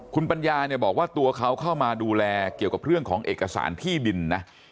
คุณปัญญาเนี่ยบอกว่าตัวเขาเข้ามาดูแลเกี่ยวกับเรื่องของเอกสารที่ดินนะ